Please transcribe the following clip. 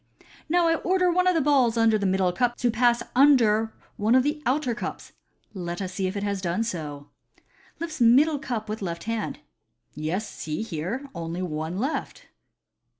" Now I order one of the balls under the middle cup to pass under one of the outer cups. Let us see if it has done so " (lifts middle cup with left hand). " Yes, here is only one left."